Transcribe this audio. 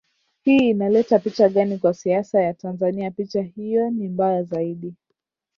hii inaleta picha gani kwa siasa ya tanzania picha hiyo ni mbaya zaidi